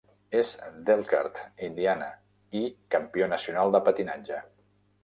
És d'Elkhart, Indiana, i campió nacional de patinatge.